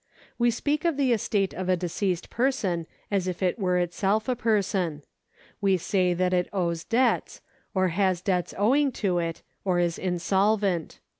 We speak of the estate of a deceased per son as if it were itself a person. We say that it owes debts, or has debts owing to it, or is insolvent.